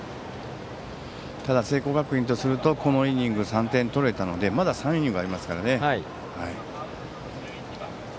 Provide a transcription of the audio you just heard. ただ、聖光学院とするとこのイニングで３点取れたのでまだ３イニングありますからね。